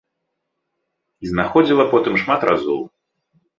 І знаходзіла потым шмат разоў.